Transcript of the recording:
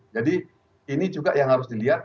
jadi ini juga yang harus dilihat